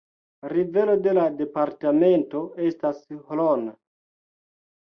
Rivero de la departemento estas Hron.